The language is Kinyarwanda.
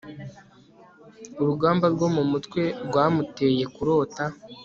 urugamba rwo mu mutwe rwamuteye kurota